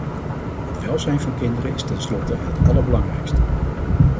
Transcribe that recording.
Het welzijn van kinderen is tenslotte het allerbelangrijkst.